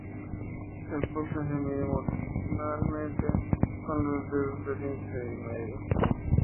El pulso se mide manualmente con los dedos índice y medio.